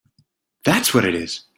That’s what it is!